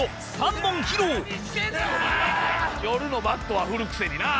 夜のバットは振るくせにな。